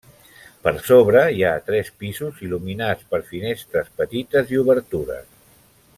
Per sobre, hi ha tres pisos il·luminats per finestres petites i obertures.